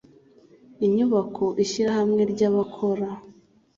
inyubako ishyirahamwe ry abakora